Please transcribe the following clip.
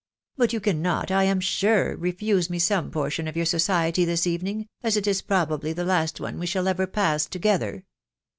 But you cannot, I am sure, refuse me some portion of your society this evening, as it is probably the last one we shall ever pass together.